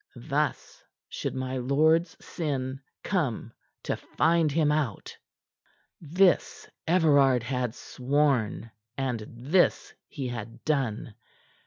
Thus should my lord's sin come to find him out. This Everard had sworn, and this he had done.